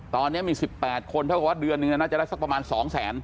ตอนนี้มี๑๘คนเท่ากับว่าเดือนหนึ่งน่าจะได้สักประมาณ๒แสน